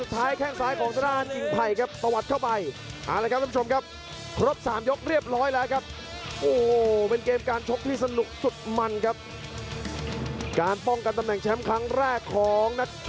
แต่เจอมัดของเก่งใกล้